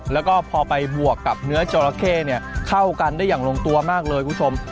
แล้วก็พอไปบวกกับเนื้อจอราเข้เข้ากันได้อย่างลงตัวมากเลยคุณผู้ชม